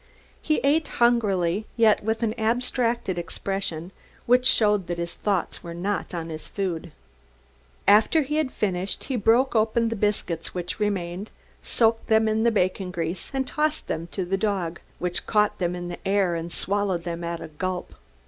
He ate hungrily, yet with an abstracted expression, which showed that his thoughts were not on his food. After he had finished he broke open the biscuits which remained, soaked them in the bacon grease and tossed them to the dog, which caught them in the air and swallowed them at a gulp.